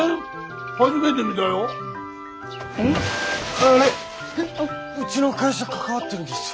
あれうちの会社関わってるんですよ。